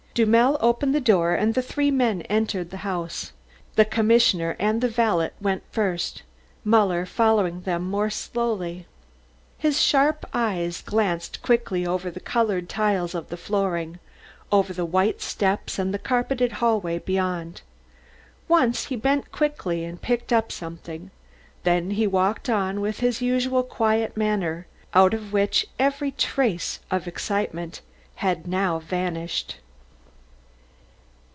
Dummel opened the door and the three men entered the house. The commissioner and the valet went in first, Muller following them more slowly. His sharp eyes glanced quickly over the coloured tiles of the flooring, over the white steps and the carpeted hallway beyond. Once he bent quickly and picked up something, then he walked on with his usual quiet manner, out of which every trace of excitement had now vanished.